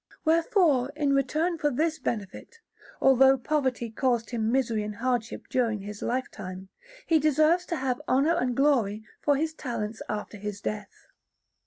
Wherefore, in return for this benefit, although poverty caused him misery and hardship during his lifetime, he deserves to have honour and glory for his talents after his death.